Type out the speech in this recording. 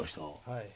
はい。